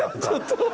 ちょっと。